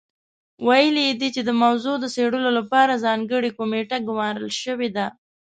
ویلي یې دي چې د موضوع د څېړلو لپاره ځانګړې کمېټه ګمارل شوې ده.